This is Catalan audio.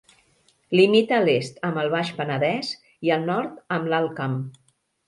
Limita a l'est amb el Baix Penedès i al nord amb l'Alt Camp.